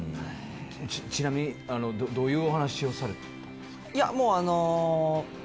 ちなみにどういうお話をされたんですか。